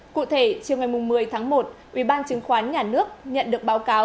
cụ thể chiều ngày một mươi tháng một ủy ban chứng khoán nhà nước nhận được báo cáo